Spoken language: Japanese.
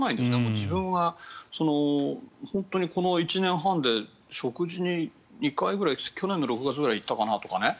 自分が本当にこの１年半で食事に２回ぐらい去年の６月ぐらいに行ったかなとかね。